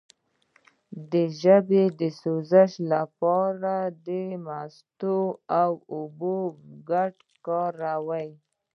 د ژبې د سوزش لپاره د مستو او اوبو ګډول وکاروئ